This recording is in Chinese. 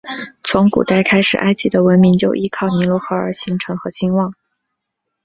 从古代开始埃及的文明就依靠尼罗河而形成和兴旺。